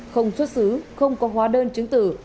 không xuất xứ không có hóa đơn chứng tử